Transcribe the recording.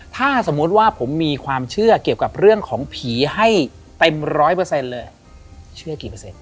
ถ้าสมมุติว่าผมมีความเชื่อเกี่ยวกับเรื่องของผีให้เต็มร้อยเปอร์เซ็นต์เลยเชื่อกี่เปอร์เซ็น